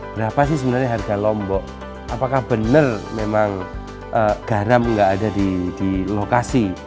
berapa sih sebenarnya harga lombok apakah benar memang garam nggak ada di lokasi